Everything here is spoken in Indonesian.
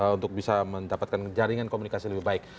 untuk bisa mendapatkan jaringan komunikasi lebih baik